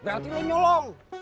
berarti lu nyolong